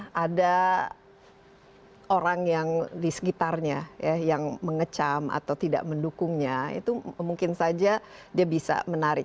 kalau ada orang yang di sekitarnya yang mengecam atau tidak mendukungnya itu mungkin saja dia bisa menarik